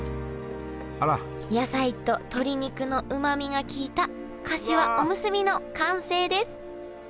野菜と鶏肉のうまみが効いたかしわおむすびの完成です